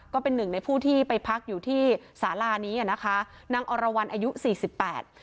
ก็เป็นหนึ่งในผู้ที่ไปพักอยู่ที่สาลานี้นางอรวร์วันยุค๔๘